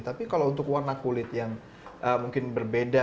tapi kalau untuk warna kulit yang mungkin berbeda